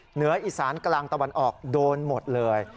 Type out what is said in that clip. เหนืออีสานกลางตะวันออกโดนหมดเลย